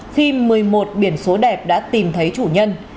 khi một mươi một biển số đẹp đã tìm thấy chủ nhân